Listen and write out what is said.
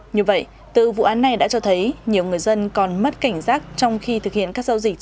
như vậy từ vụ án này đã cho thấy nhiều người dân còn mất cảnh giác trong khi thực hiện các giao dịch